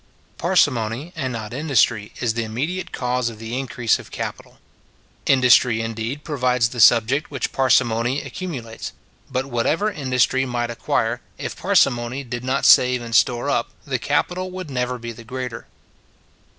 Parsimony, and not industry, is the immediate cause of the increase of capital. Industry, indeed, provides the subject which parsimony accumulates; but whatever industry might acquire, if parsimony did not save and store up, the capital would never be the greater.